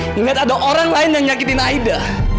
melihat ada orang lain yang nyakitin aida